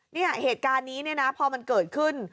เนี่ยเหตุการณ์นี้เนี่ยนะพอมันเกิดขึ้น